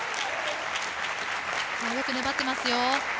よく粘ってますよ。